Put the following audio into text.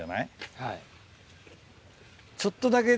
はい。